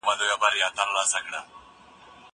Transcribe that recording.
زه به سبا مينه څرګندوم وم!؟